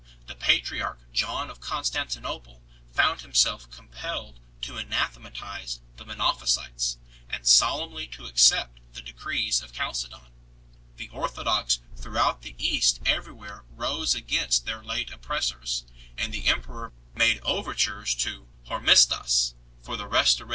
The patriarch John of Constantinople found himself compelled to anathematize the Monophysites and solemnly to accept the Decrees of Chalcedon. The orthodox throughout the East everywhere rose against their late oppressors, and the 1 Evagrius in. 30. 2 Gibbon s Rome, c.